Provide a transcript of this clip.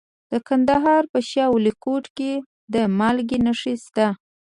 د کندهار په شاه ولیکوټ کې د مالګې نښې شته.